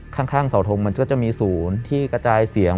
ข้างเสาทงมันก็จะมีศูนย์ที่กระจายเสียง